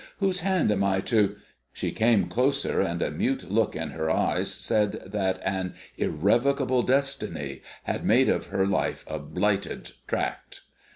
"Whose hand am I to " She came closer, and a mute look in her eyes said that an Irrevocable Destiny had made of her life a Blighted Tract.